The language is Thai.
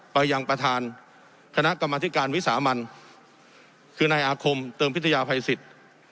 ไปยังประธานคณะกรรมธิการวิสามันคือนายอาคมเติมพิทยาภัยสิทธิ์